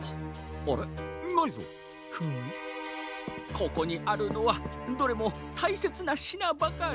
ここにあるのはどれもたいせつなしなばかり。